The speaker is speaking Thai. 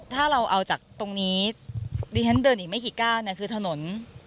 ถ้าเราเอาจากตรงนี้ดิงแล้วนั้นเดินไหนไม่คิดก้าวถนน